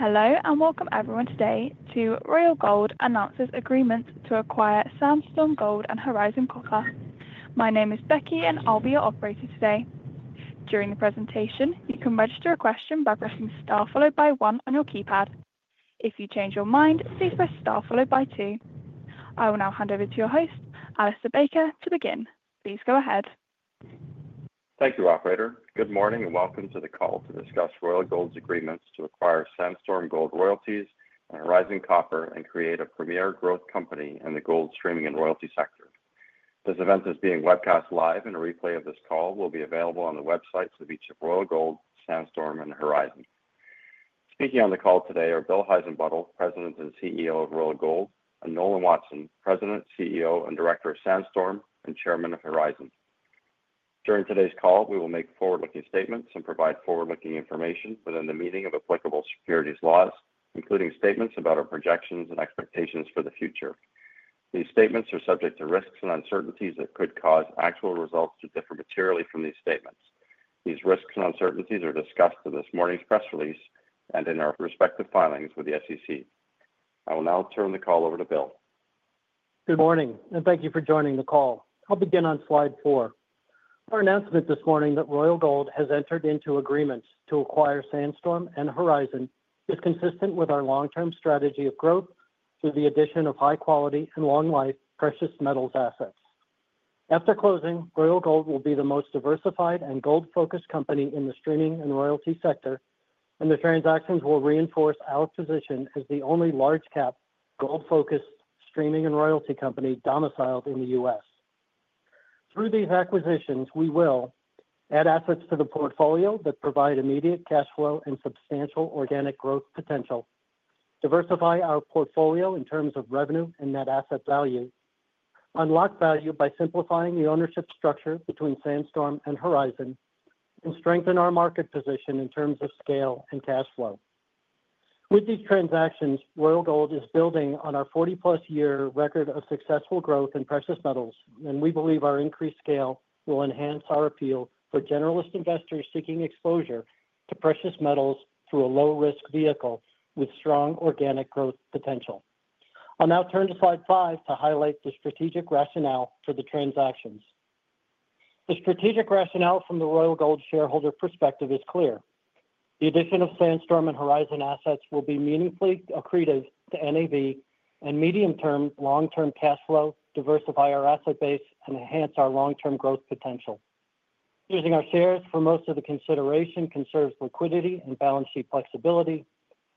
Hello and welcome everyone today to Royal Gold announces agreement to acquire Sandstorm Gold and Horizon Copper. My name is Becky and I'll be your operator today. During the presentation you can register a question by pressing star followed by one on your keypad. If you change your mind, please press star followed by two. I will now hand over to your host Alistair Baker to begin. Please go ahead. Thank you, Operator. Good morning and welcome to the call to discuss Royal Gold agreements to acquire Sandstorm Gold Royalities and Horizon Copper and create a premier growth company in the gold streaming and royalty sector. This event is being webcast live, and a replay of this call will be available on the websites of each of Royal Gold, Sandstorm, and Horizon. Speaking on the call today are Bill Heissenbuttel, President and CEO of Royal Gold, Inc., and Nolan Watson, President, CEO and Director of Sandstorm Gold and Chairman of Horizon Copper Corp. During today's call, we will make forward-looking statements and provide forward-looking information within the meaning of applicable securities laws, including statements about our projections and expectations for the future. These statements are subject to risks and uncertainties that could cause actual results to differ materially from these statements. These risks and uncertainties are discussed in this morning's press release and in our respective filings with the SEC. I will now turn the call over to Bill. Good morning and thank you for joining the call. I'll begin on Slide 4. Our announcement this morning that Royal Gold, Inc. has entered into agreements to acquire Sandstorm and Horizon Copper Corp. is consistent with our long-term strategy of growth through the addition of high-quality and long-life precious metals assets. After closing, Royal Gold, Inc. will be the most diversified and gold-focused company in the precious metals streaming and royalty sector, and the transactions will reinforce our position as the only large-cap gold-focused streaming and royalty company domiciled in the U.S. Through these acquisitions, we will add assets to the portfolio that provide immediate cash flow and substantial organic growth potential, diversify our portfolio in terms of revenue and net asset value (NAV), unlock value by simplifying the ownership structure between Sandstorm and Horizon Copper Corp., and strengthen our market position in terms of scale and cash flow. With these transactions, Royal Gold, Inc. is building on our 40-plus year record of successful growth in precious metals, and we believe our increased scale will enhance our appeal for generalist investors seeking exposure to precious metals through a low-risk vehicle with strong organic growth potential. I'll now turn to Slide 5 to highlight the strategic rationale for the transactions. The strategic rationale from the Royal Gold, Inc. shareholder perspective is clear. The addition of Sandstorm and Horizon Copper Corp. assets will be meaningfully accretive to NAV and medium-term, long-term cash flow, diversify our asset base, and enhance our long-term growth potential. Using our shares for most of the consideration conserves liquidity and balance sheet flexibility.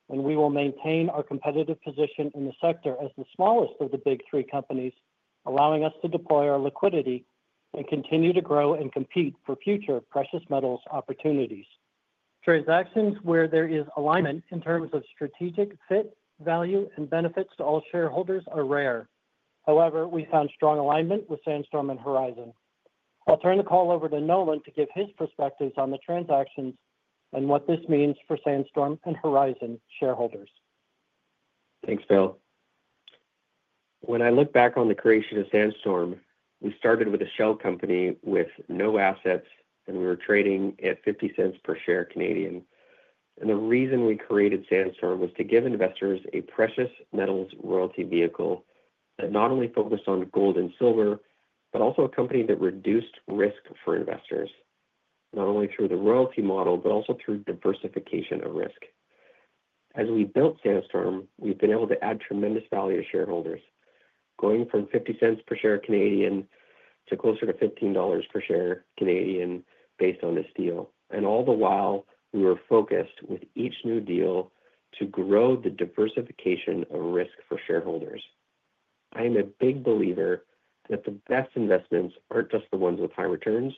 We will maintain our competitive position in the sector as the smallest of the big three companies, allowing us to deploy our liquidity and continue to grow and compete for future precious metals opportunities. Transactions where there is alignment in terms of strategic fit, value, and benefits to all shareholders are rare. However, we found strong alignment with Sandstorm and Horizon Copper Corp. I'll turn the call over to Nolan Watson to give his perspectives on the transactions and what this means for Sandstorm and Horizon shareholders. Thanks, Bill. When I look back on the creation of Sandstorm, we started with a shell company with no assets and we were trading at $0.50 per share Canadian. The reason we created Sandstorm was to give investors a precious metals royalty vehicle that not only focused on gold and silver, but also a company that reduced risk for investors not only through the royalty model, but also through diversification of risk. As we built Sandstorm, we've been able to add tremendous value to shareholders going from $0.50 per share Canadian to closer to $15 per share Canadian based on this deal. All the while we were focused with each new deal to grow the diversification of risk for shareholders. I am a big believer that the best investments aren't just the ones with high returns,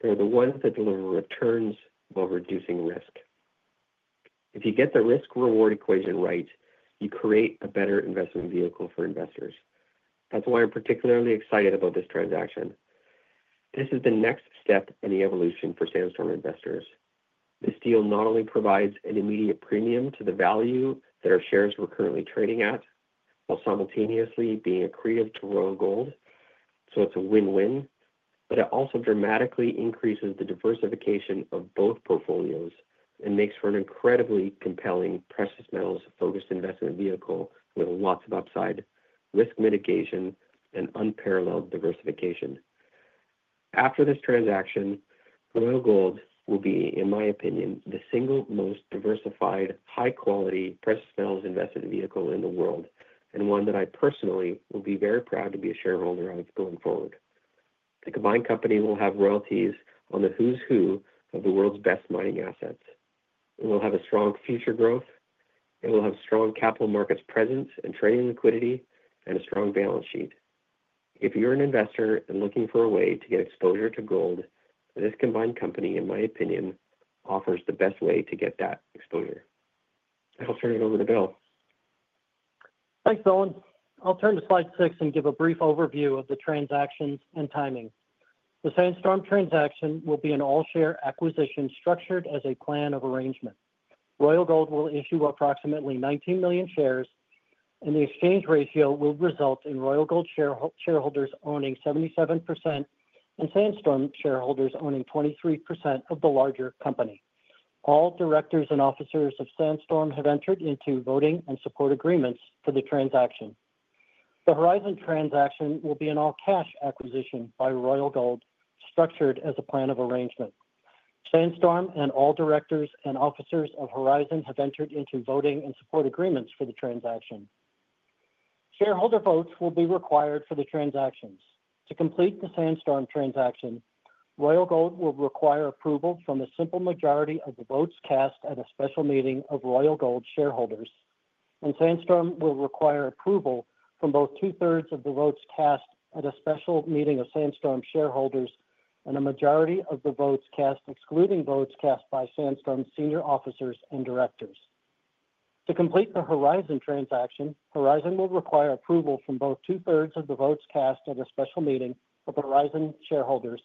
they're the ones that deliver returns while reducing risk. If you get the risk reward equation right, you create a better investment vehicle for investors. That's why I'm particularly excited about this transaction. This is the next step in the evolution for Sandstorm investors. This deal not only provides an immediate premium to the value that our shares were currently trading at, while simultaneously being accretive to Royal Gold. It's a win win. It also dramatically increases the diversification of both portfolios and makes for an incredibly compelling precious metals focused investment vehicle with lots of upside, risk mitigation and unparalleled diversification. After this transaction, Royal Gold will be, in my opinion, the single most diversified, high quality precious metals investment vehicle in the world and one that I personally will be very proud to be a shareholder of going forward, the combined company will have royalties on the who's who of the world's best mining assets and will have a strong future growth. It will have strong capital markets presence and trading liquidity and a strong balance sheet. If you're an investor and looking for a way to get exposure to gold, this combined company, in my opinion, offers the best way to get that exposure. I'll turn it over to Bill. Thanks, Nolan. I'll turn to slide six and give a brief overview of the transactions and timing. The Sandstorm transaction will be an all-share acquisition structured as a plan of arrangement. Royal Gold will issue approximately 19 million shares, and the exchange ratio will result in Royal Gold shareholders owning 77% and Sandstorm shareholders owning 23% of the larger company. All directors and officers of Sandstorm have entered into voting and support agreements for the transaction. The Horizon transaction will be an all-cash acquisition by Royal Gold structured as a plan of arrangement. Sandstorm and all directors and officers of Horizon have entered into voting and support agreements for the transaction. Shareholder votes will be required for the transactions. To complete the Sandstorm transaction, Royal Gold will require approval from a simple majority of the votes cast at a special meeting of Royal Gold shareholders, and Sandstorm will require approval from both 2/3 of the votes cast at a special meeting of Sandstorm shareholders and a majority of the votes cast excluding votes cast by Sandstorm senior officers and directors. To complete the Horizon transaction, Horizon will require approval from both 2/3 of the votes cast at a special meeting of Horizon shareholders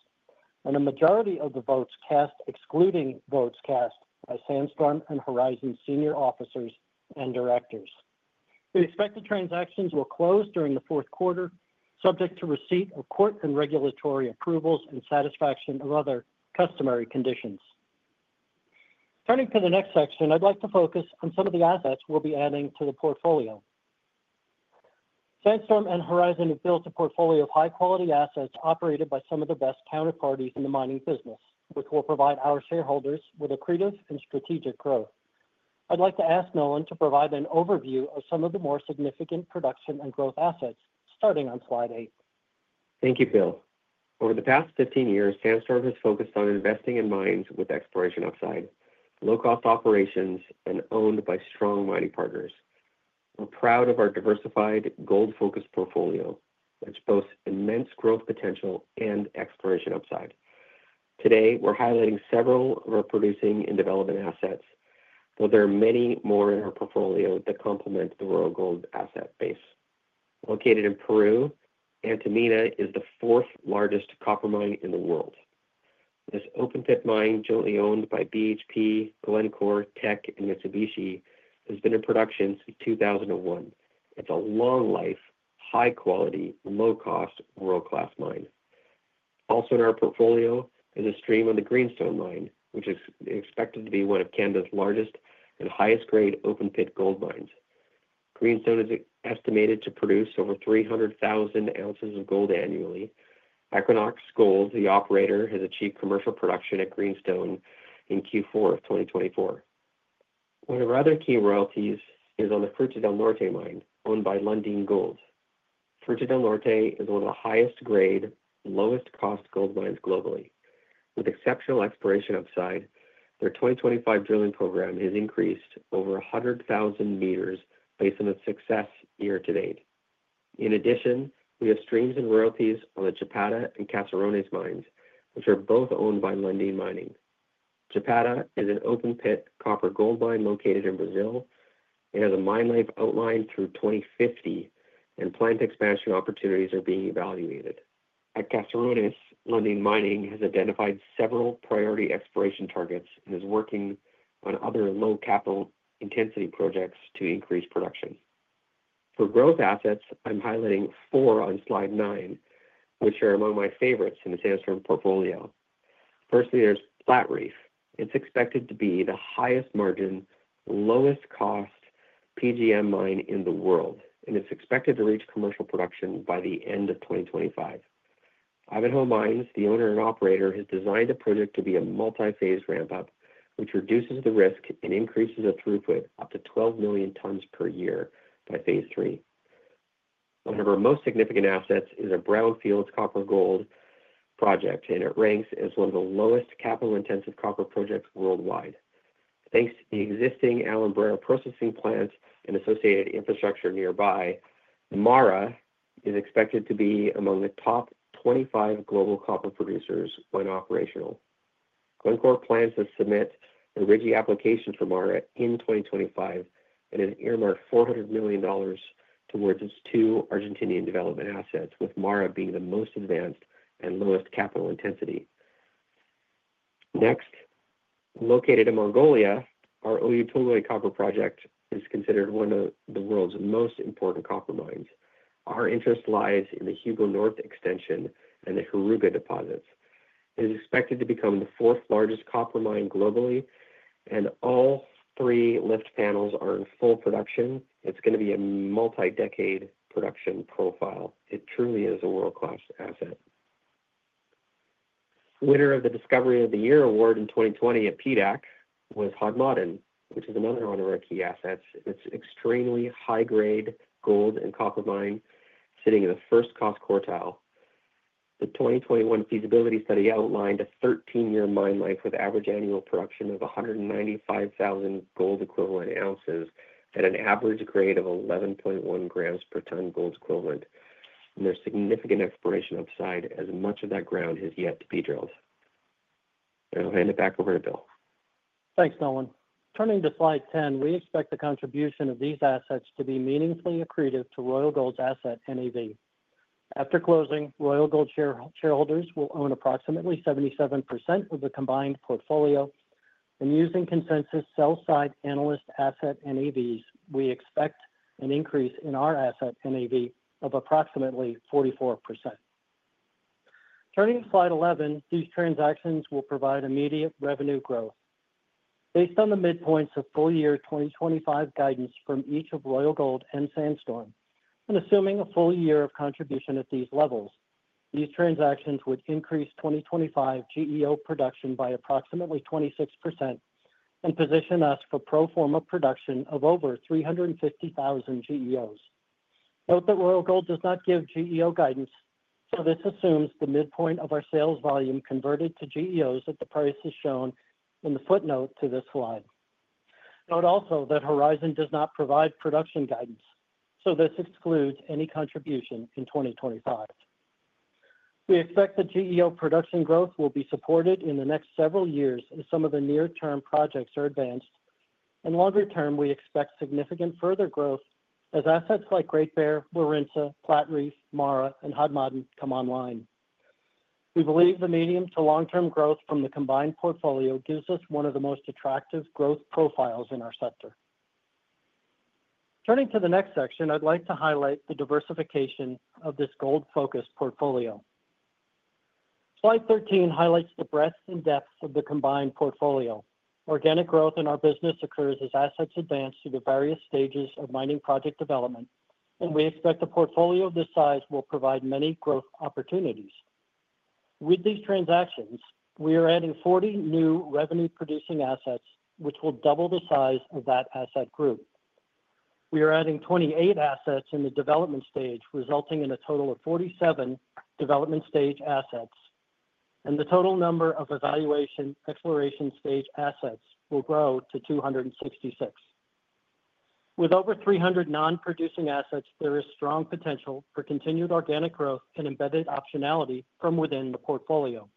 and a majority of the votes cast excluding votes cast by Sandstorm and Horizon senior officers and directors. We expect the transactions will close during the fourth quarter, subject to receipt of court and regulatory approvals and satisfaction of other customary conditions. Turning to the next section, I'd like to focus on some of the assets we'll be adding to the portfolio. Sandstorm and Horizon have built a portfolio of high-quality assets operated by some of the best counterparties in the mining business, which will provide our shareholders with accretive and strategic growth. I'd like to ask Nolan to provide an overview of some of the more significant production and growth assets starting on slide eight. Thank you Bill. Over the past 15 years Sandstorm has focused on investing in mines with exploration upside, low cost operations, and owned by strong mining partners. We're proud of our diversified gold focused portfolio, which boasts immense growth potential and exploration upside. Today we're highlighting several of our producing and development assets, though there are many more in our portfolio that complement the Royal Gold asset base. Located in Peru, Antamina is the fourth largest copper mine in the world. This open pit mine, jointly owned by BHP, Glencore, Teck, and Mitsubishi, has been in production since 2001. It's a long life, high quality, low cost, world class mine. Also in our portfolio is a stream of the Greenstone mine, which is expected to be one of Canada's largest and highest grade open pit gold mines. Greenstone is estimated to produce over 300,000 ounces of gold annually. Equinox Gold, the operator, has achieved commercial production at Greenstone in Q4 of 2024. One of our other key royalties is on the Fruta del Norte mine owned by Lundin Gold. Fruta del Norte is one of the highest grade, lowest cost gold mines globally with exceptional exploration upside. Their 2025 drilling program has increased over 100,000 meters based on its success year to date. In addition, we have streams and royalties on the Chapada and Caserones mines, which are both owned by Lundin Mining. Chapada is an open pit copper gold mine located in Brazil. It has a mine life outlined through 2050, and plant expansion opportunities are being evaluated. At Caserones, Lundin Mining has identified several priority exploration targets and is working on other low capital intensity projects to increase production for growth assets. I'm highlighting four on slide nine, which are among my favorites in the Sandstorm portfolio. Firstly, there's Flatreef. It's expected to be the highest margin, lowest cost PGM mine in the world, and it's expected to reach commercial production by the end of 2025. Ivanhoe Mines, the owner and operator, has designed the project to be a multi phase ramp up, which reduces the risk and increases the throughput up to 12 million tons per year by phase three. One of our most significant assets is a brownfields copper gold project, and it ranks as one of the lowest capital intensive copper projects worldwide, thanks to the existing Allen Brer processing plant and associated infrastructure nearby. Mara is expected to be among the top 25 global copper producers when operational. Glencore plans to submit the RIDGI application for Mara in 2025 and an earmarked $400 million towards its two Argentinian development assets, with Mara being the most advanced and lowest capital intensity. Next, located in Mongolia, our Oyu Tolgoi copper project is considered one of the world's most important copper mines. Our interest lies in the Hugo North Extension and the Heruga deposits. It is expected to become the fourth largest copper mine globally, and all three lift panels are in full production. It's going to be a multi-decade production profile. It truly is a world-class asset. Winner of the Discovery of the Year award in 2020 at PDAC was Hod Maden, which is another one of our key assets. It's an extremely high-grade gold and copper mine sitting in the first cost quartile. The 2021 feasibility study outlined a 13-year mine life with average annual production of 195,000 gold equivalent ounces at an average grade of 11.1 grams per tonne gold equivalent. There is significant exploration upside as much of that ground has yet to be drilled. I'll hand it back over to Bill. Thanks, Nolan. Turning to Slide 10, we expect the contribution of these assets to be meaningfully accretive to Royal Gold's asset NAV. After closing, Royal Gold shareholders will own approximately 77% of the combined portfolio, and using consensus sell-side analyst asset NAVs, we expect an increase in our asset NAV of approximately 44%. Turning to Slide 11, these transactions will provide immediate revenue growth. Based on the midpoints of full-year 2025 guidance from each of Royal Gold and Sandstorm, and assuming a full year of contribution at these levels, these transactions would increase 2025 GEO production by approximately 26% and position us for pro forma production of over 350,000 GEOs. Note that Royal Gold does not give GEO guidance, so this assumes the midpoint of our sales volume converted to GEOs at the prices shown in the footnote to this slide. Note also that Horizon Copper Corp. does not provide production guidance, so this excludes any contribution in 2025. We expect the GEO production growth will be supported in the next several years as some of the near-term projects are advanced, and longer term we expect significant further growth as assets like Great Bear, Warintza, Flatreef, Mara, and Hod Maden come online. We believe the medium to long-term growth from the combined portfolio gives us one of the most attractive growth profiles in our sector. Turning to the next section, I'd like to highlight the diversification of this gold-focused portfolio. Slide 13 highlights the breadth and depth of the combined portfolio. Organic growth in our business occurs as assets advance through the various stages of mining project development, and we expect a portfolio this size will provide many growth opportunities. With these transactions, we are adding 40 new revenue-producing assets, which will double the size of that asset group. We are adding 28 assets in the development stage, resulting in a total of 47 development-stage assets, and the total number of evaluation and exploration stage assets will grow to 266, with over 300 non-producing assets. There is strong potential for continued organic growth and embedded optionality from within the portfolio.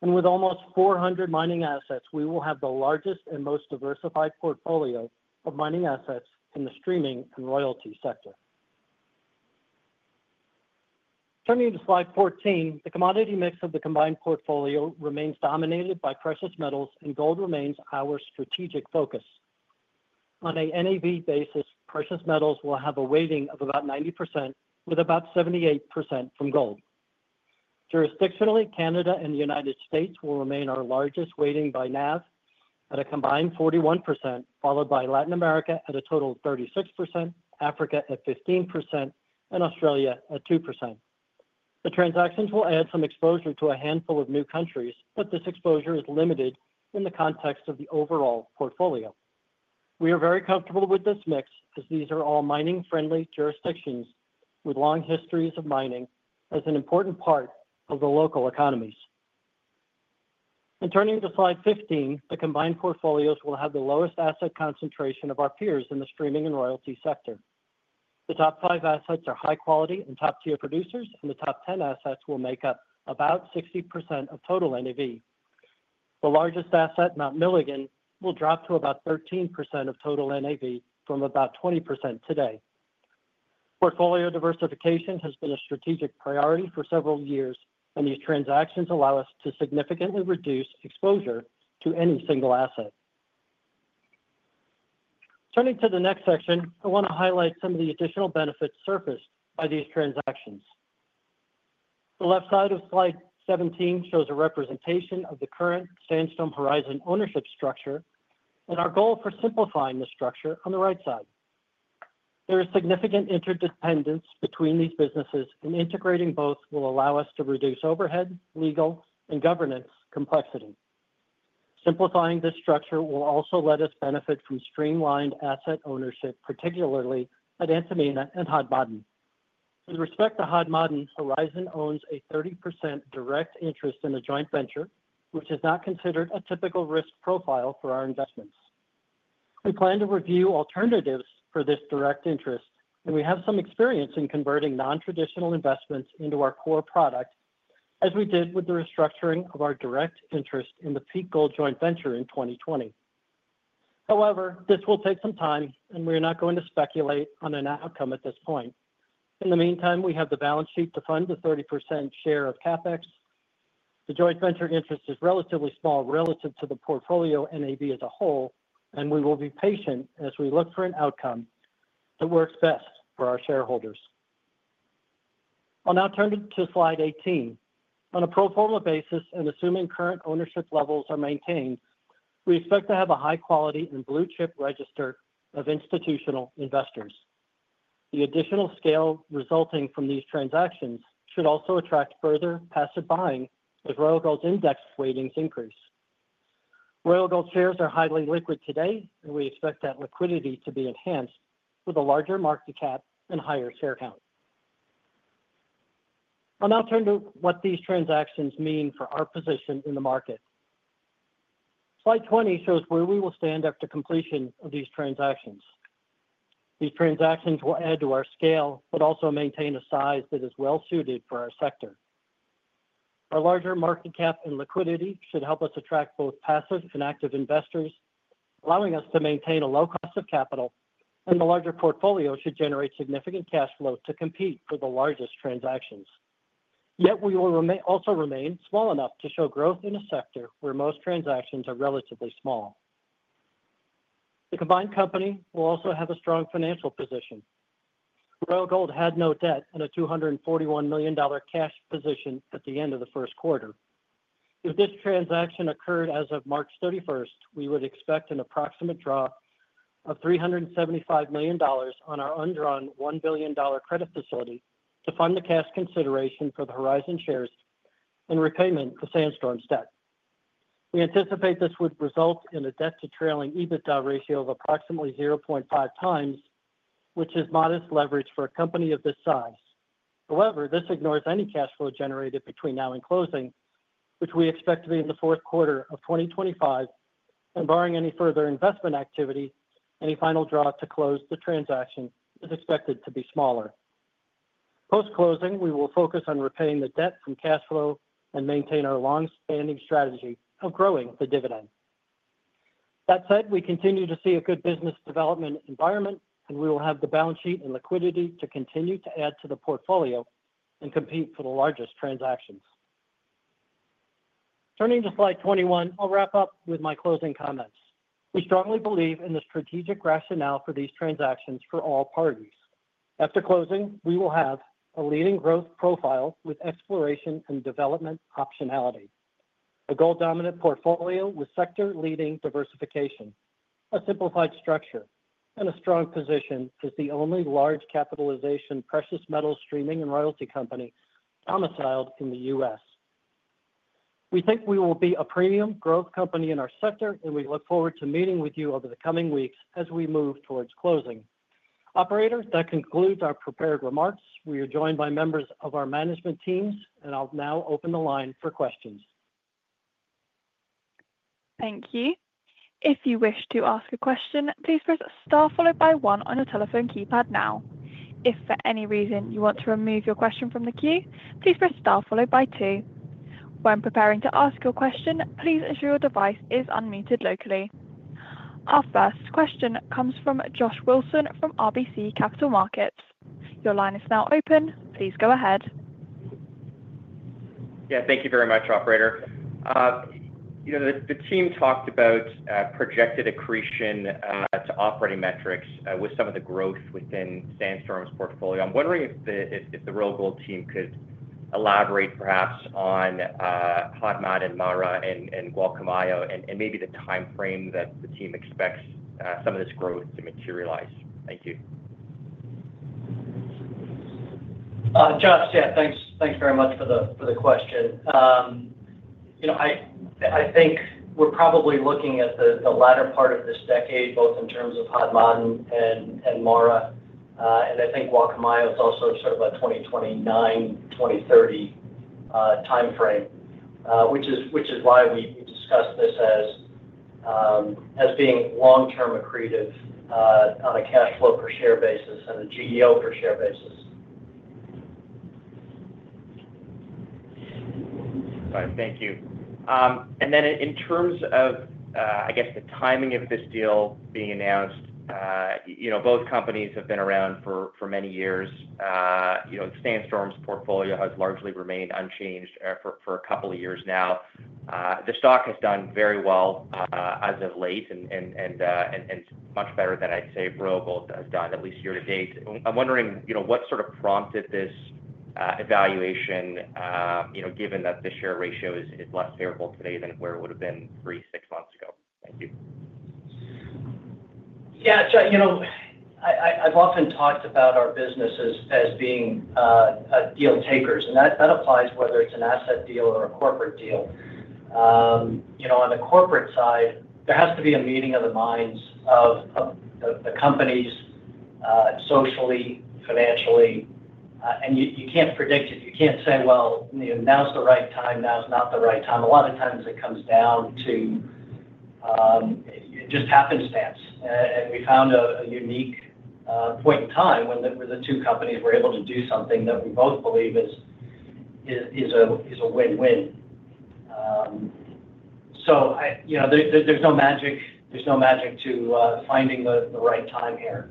With almost 400 mining assets, we will have the largest and most diversified portfolio of mining assets in the streaming and royalty sector. Turning to Slide 14, the commodity mix of the combined portfolio remains dominated by precious metals, and gold remains our strategic focus. On a NAV basis, precious metals will have a weighting of about 90% with about 78% from gold. Jurisdictionally, Canada and the U.S. will remain our largest weighting by NAV at a combined 41%, followed by Latin America at a total of 36%, Africa at 15%, and Australia at 2%. The transactions will add some exposure to a handful of new countries, but this exposure is limited in the context of the overall portfolio. We are very comfortable with this mix as these are all mining-friendly jurisdictions with long histories of mining as an important part of the local economies. Turning to slide 15, the combined portfolios will have the lowest asset concentration of our peers in the streaming and royalty sector. The top five assets are high quality and top tier producers, and the top 10 assets will make up about 60% of total NAV. The largest asset, Mount Milligan, will drop to about 13% of total NAV from about 20% today. Portfolio diversification has been a strategic priority for several years, and these transactions allow us to significantly reduce exposure to any single asset. Turning to the next section, I want to highlight some of the additional benefits surfaced by these transactions. The left side of slide 17 shows a representation of the current Sandstorm Horizon ownership structure and our goal for simplifying the structure. On the right side, there is significant interdependence between these businesses, and integrating both will allow us to reduce overhead, legal, and governance complexity. Simplifying this structure will also let us benefit from streamlined asset ownership, particularly at Antamina and Hod Maden. With respect to Hod Maden, Horizon owns a 30% direct interest in the joint venture, which is not considered a typical risk profile for our investments. We plan to review alternatives for this direct interest, and we have some experience in converting non-traditional investments into our core product as we did with the restructuring of our direct interest in the Peak Gold joint venture in 2020. However, this will take some time, and we are not going to speculate on an outcome at this point. In the meantime, we have the balance sheet to fund the 30% share of CapEx. The joint venture interest is relatively small relative to the portfolio NAV as a whole, and we will be patient as we look for an outcome that works best for our shareholders. I'll now turn to slide 18. On a pro forma basis and assuming current ownership levels are maintained, we expect to have a high quality and blue chip register of institutional investors. The additional scale resulting from these transactions should also attract further passive buying as Royal Gold's index weightings increase. Royal Gold shares are highly liquid today, and we expect that liquidity to be enhanced with a larger market cap and higher share count. I'll now turn to what these transactions mean for our position in the market. Slide 20 shows where we will stand after completion of these transactions. These transactions will add to our scale but also maintain a size that is well suited for our sector. Our larger market cap and liquidity should help us attract both passive and active investors, allowing us to maintain a low cost of capital, and the larger portfolio should generate significant cash flow to compete for the largest transactions. Yet we will also remain small enough to show growth in a sector where most transactions are relatively small. The combined company will also have a strong financial position. Royal Gold had no debt and a $241 million cash position at the end of the first quarter. If this transaction occurred as of March 31, we would expect an approximate draw of $375 million on our undrawn $1 billion credit facility to fund the cash consideration for the Horizon shares and repayment of Sandstorm's debt. We anticipate this would result in a debt to trailing EBITDA ratio of approximately 0.5 times, which is modest leverage for a company of this size. However, this ignores any cash flow generated between now and closing, which we expect to be in the fourth quarter of 2025, and barring any further investment activity, any final draw to close the transaction is expected to be smaller. Post closing, we will focus on repaying the debt from cash flow and maintain our long standing strategy of growing the dividend. That said, we continue to see a good business development environment, and we will have the balance sheet and liquidity to continue to add to the portfolio and compete for the largest transactions. Turning to slide 21, I'll wrap up with my closing comments. We strongly believe in the strategic rationale for these transactions for all parties. After closing, we will have a leading growth profile with exploration and development optionality, a gold dominant portfolio with sector leading diversification, a simplified structure, and a strong position as the only large capitalization precious metals streaming and royalty company domiciled in the U.S. We think we will be a premium growth company in our sector, and we look forward to meeting with you over the coming weeks as we move towards closing. That concludes our prepared remarks. We are joined by members of our management teams, and I'll now open the line for questions. Thank you. If you wish to ask a question, please press STAR followed by one on your telephone keypad. If for any reason you want to remove your question from the queue, please press STAR followed by two. When preparing to ask your question, please ensure your device is unmuted locally. Our first question comes from Josh Wolfson from RBC Capital Markets. Your line is now open. Please go ahead. Yeah, thank you very much, operator. The team talked about projected accretion to operating metrics with some of the growth within Sandstorm's portfolio. I'm wondering if the Royal Gold team could elaborate perhaps on Hod Maden and Mara and Gualcamayo and maybe the timeframe that the team expects some of this growth to materialize. Thank you. Yeah, thanks very much for the question. I think we're probably looking at the latter part of this decade, both in terms of Hod Maden and Mara. I think Wakamai is also sort of a 2029, 2030 time frame, which is why we discuss this as being long term accretive on a cash flow per share basis and a GEO per share basis. Thank you. In terms of the timing of this deal being announced, both companies have been around for many years. Sandstorm's portfolio has largely remained unchanged for a couple of years now. The stock has done very well as of late and much better than I'd say Royal Gold has done at least year to date. I'm wondering what sort of prompted this evaluation, given that the share ratio is less favorable today than where it would have been three or six months ago. Thank you. You know, I've often talked about our businesses as being deal takers. That applies whether it's an asset deal or a corporate deal. On the corporate side, there has to be a meeting of the minds of the companies, socially and financially, and you can't predict it. You can't say, now's the right time, now's not the right time. A lot of times it comes down to just happenstance. We found a unique point in time when the two companies were able to do something that we both believe is a win-win. There's no magic to finding the right time here.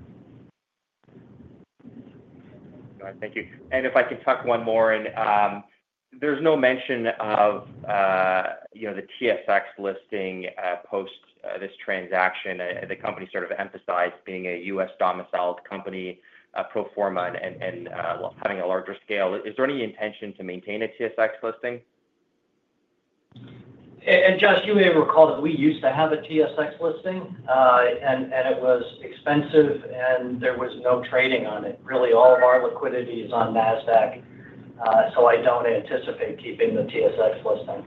Thank you. If I can tuck one more in, there's no mention of the TSX listing. Post this transaction, the company sort of emphasized being a U.S. domiciled company pro forma and having a larger scale. Is there any intention to maintain a TSX listing? Josh, you may recall that we used to have a TSX listing, and it was expensive and there was no trading on it. Nearly all of our liquidity is on NASDAQ. I don't anticipate keeping the TSX listing.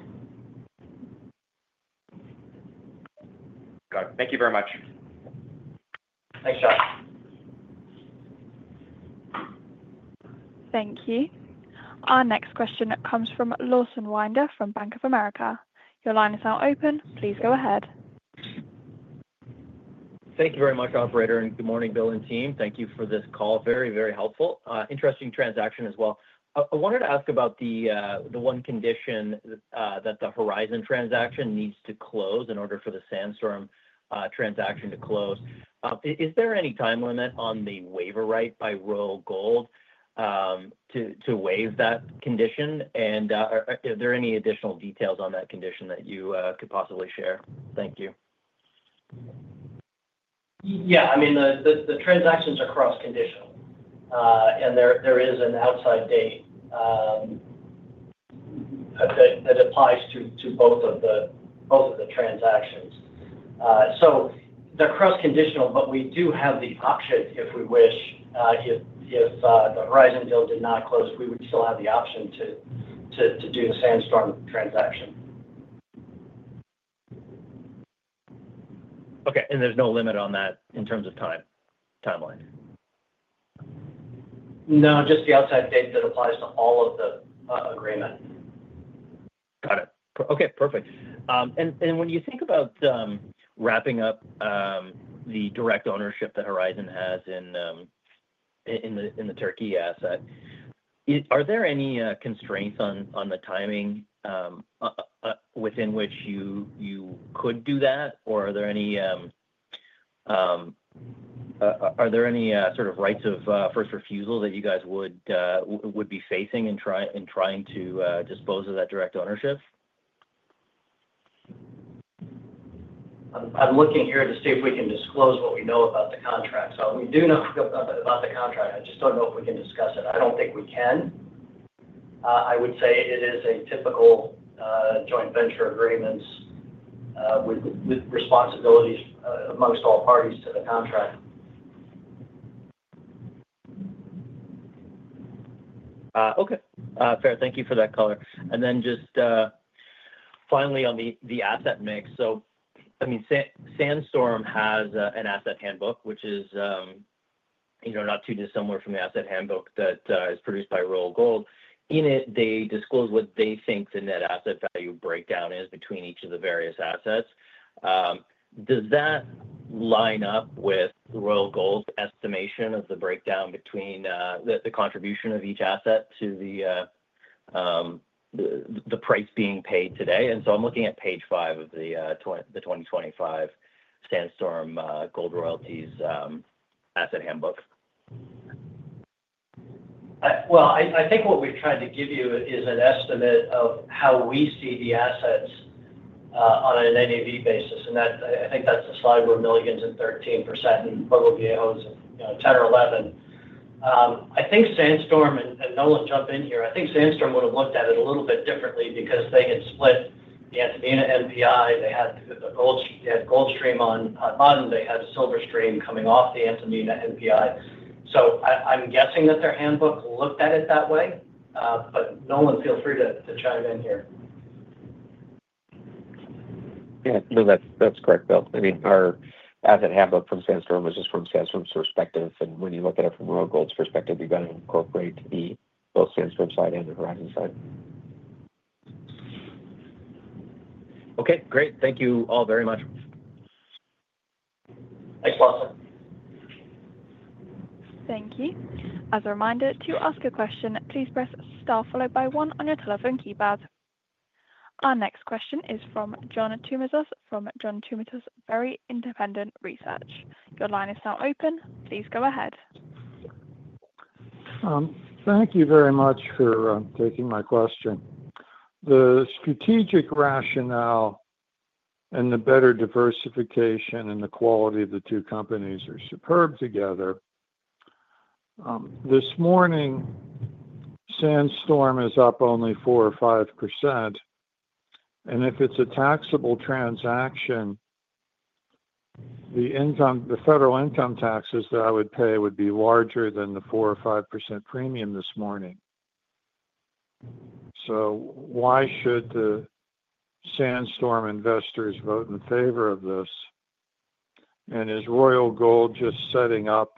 Thank you very much. Thanks, John. Thank you. Our next question comes from Lawson Winder from Bank of America. Your line is now open. Please go ahead. Thank you very much, Operator. Good morning, Bill and team. Thank you for this call. Very, very helpful. Interesting transaction as well. I wanted to ask about the one condition that the Horizon Copper Corp. transaction needs to close in order for the Sandstorm transaction to close. Is there any time limit on the waiver right? By Royal Gold, Inc. to waive that condition? Are there any additional details on that condition that you could possibly share? Thank you. Yeah, I mean, the transactions are cross-conditional, and there is an outside date that applies to both of the transactions. They're cross-conditional, but we do have the option if we wish, if the Horizon deal did not close, we would still have the option to do the Sandstorm transaction. Okay. There is no limit on that in terms of time, timeline? No, just the outside date that applies to all of the agreement. Got it. Okay, perfect. When you think about wrapping up the direct ownership that Horizon has in the Turkey asset, are there any constraints on the timing within which you could do that? Are there any sort of rights of first refusal that you guys would be facing in trying to dispose of that direct ownership? I'm looking here to see if we can disclose what we know about the contract. We do know about the contract. I just don't know if we can discuss. I don't think we can. I would say it is a typical joint venture agreement with responsibilities amongst all parties to the contract. Okay, fair. Thank you for that color. Finally, on the asset mix, Sandstorm has an asset handbook which is, you know, not too dissimilar from the asset handbook that is produced by Royal Gold, Inc. In it, they disclose what they think the net asset value (NAV) breakdown is between each of the various assets. Does that line up with Royal Gold's estimation of the breakdown between the contribution of each asset to the price being paid today? I'm looking at page 5 of the 2025 Sandstorm Gold Royalties Asset Handbook. I think what we've tried to give you is an estimate of how we see the assets on a net asset value (NAV) basis. I think that's the slide where millions and 13% and Pueblo Viejo's 10% or 11%. I think Sandstorm and Nolan, jump in here. I think Sandstorm would have looked at it a little bit differently because they had split the Antamina NPI. They had gold stream on, they had silver stream coming off the Antamina NPI. I'm guessing that their handbook looked at it that way. Nolan, feel free to chime in here. Yeah, no, that's correct, Bill. I mean, our asset handbook from Sandstorm was just from Sandstorm's perspective. When you look at it from Royal Gold's perspective, you've got to incorporate both Sandstorm's side and the Horizon side. Okay, great. Thank you all very much. Thanks, Walter. Thank you. As a reminder to ask a question, please press star followed by one on your telephone keypad. Our next question is from John Tumazos from Very Independent Research. Your line is now open. Please go ahead. Thank you very much for taking my question. The strategic rationale and the better diversification and the quality of the two companies are superb together. This morning, Sandstorm Gold is up only 4 or 5%. If it's a taxable transaction, the income, the federal income taxes that I would pay would be larger than the 4 or 5% premium this morning. Why should the Sandstorm investors vote in favor of this? Is Royal Gold just setting up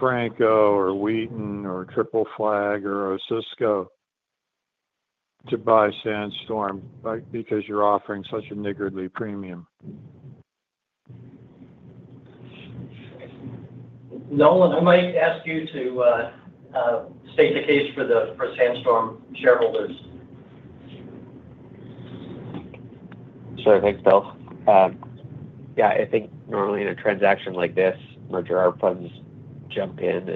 Franco or Wheaton or Triple Flag or Osisko to buy Sandstorm because you're offering such a niggardly premium? Nolan, I might ask you to state the case for Sandstorm shareholders. Sure. Thanks, Bill. Yeah. I think normally in a transaction like this merger, our funds jump in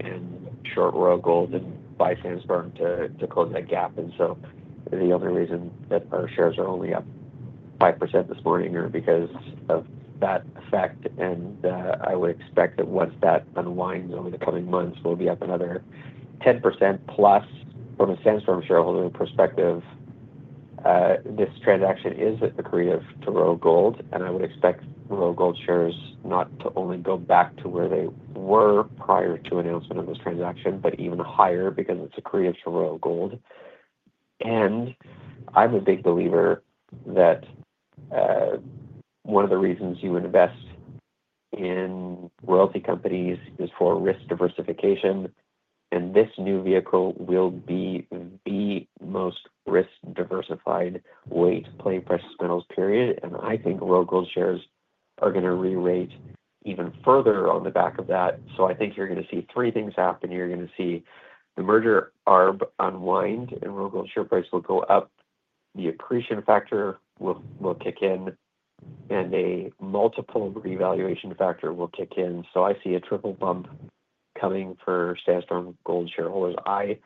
and short Royal Gold and buy Sandstorm to close that gap. The only reason that our shares are only up 5% this morning is because of that effect. I would expect that once that unwinds over the coming months, we'll be up another 10%. Plus, from a Sandstorm Gold shareholder perspective, this transaction is accretive to Royal Gold. I would expect Royal Gold shares not to only go back to where they were prior to announcement of this transaction, but even higher because it's accretive to Royal Gold. I'm a big believer that one of the reasons you invest in royalty companies is for risk diversification. This new vehicle will be the most risk diversified way to play precious metals, period. I think Royal Gold shares are going to re-rate even further on the back of that. I think you're going to see three things happen. You're going to see the merger arb unwind and Royal Gold share price will go up, the accretion factor will kick in, and a multiple revaluation factor will kick in. I see a triple bump coming for Sandstorm Gold shareholders. I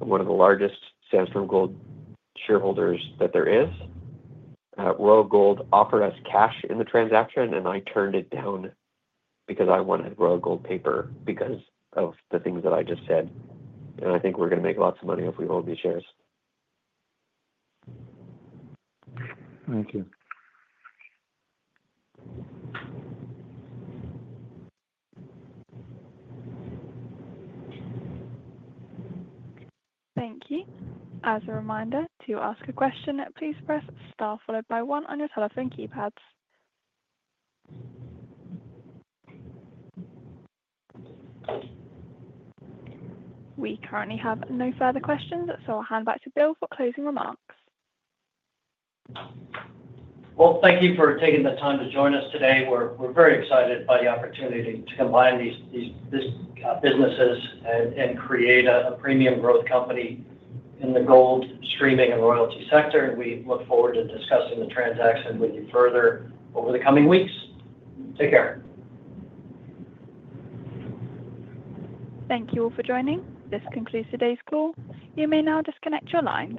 am one of the largest Sandstorm Gold shareholders that there is. Royal Gold offered us cash in the transaction, and I turned it down because I wanted Royal Gold paper because of the things that I just said. I think we're going to make lots of money if we hold these shares. Thank you. Thank you. As a reminder, to ask a question, please press star followed by one on your telephone keypads. We currently have no further questions, so I'll hand back to Bill for closing remarks. Thank you for taking the time to join us today. We're very excited by the opportunity to combine these businesses and create a premium growth company in the gold streaming and royalty sector. We look forward to discussing the transaction with you further over the coming weeks. Take care. Thank you all for joining. This concludes today's call. You may now disconnect your lines. Thank you.